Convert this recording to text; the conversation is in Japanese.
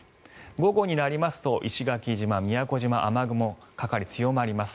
午後になりますと石垣島、宮古島に雨雲がかかり、強まります。